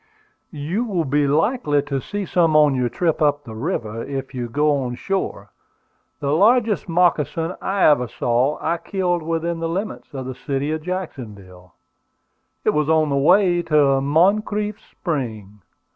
"You will be likely to see some on your trip up the river, if you go on shore. The largest moccasin I ever saw I killed within the limits of the city of Jacksonville. It was on the way to Moncrief's Spring.